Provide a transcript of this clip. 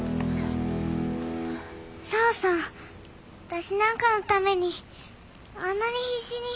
私なんかのためにあんなに必死に。